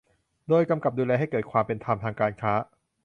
โดยกำกับดูแลให้เกิดความเป็นธรรมทางการค้า